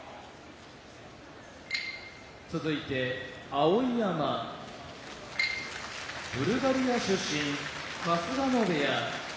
碧山ブルガリア出身春日野部屋